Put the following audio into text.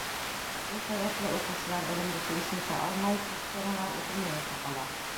Шул сәбәпле уҡыусылар белемде тейешенсә алмай, күп темалар үтелмәйенсә ҡала.